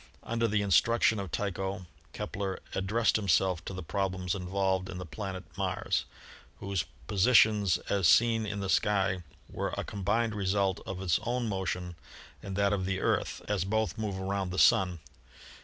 Under the instruction of Tycho, Kepler ad dressed himself to the problems involved in the planet Mars, whose positions as seen in the sky were a combined result of its own motion and that of the Earth, as both move around the Sun.